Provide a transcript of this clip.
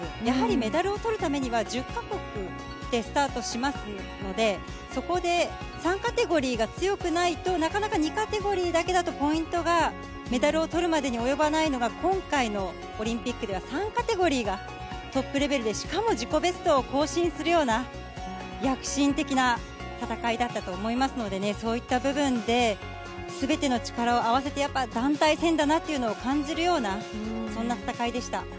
やはりメダルをとるためには、１０か国でスタートしますので、そこで３カテゴリーが強くないと、なかなか２カテゴリーだけだと、ポイントがメダルをとるまでに及ばないのが、今回のオリンピックでは、３カテゴリーがトップレベルで、しかも、自己ベストを更新するような躍進的な戦いだったと思いますのでね、そういった部分で、すべての力を合わせて、やっぱり団体戦だなというのを感じるような、そんな戦いでした。